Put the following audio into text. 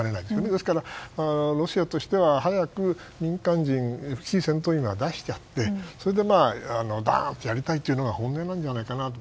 ですから、ロシアとしては早く民間人非戦闘員は出しちゃってダーンとやりたいというのが本音なんじゃないかなと。